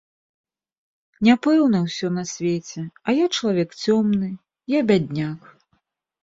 Няпэўна ўсё на свеце, а я чалавек цёмны, я бядняк.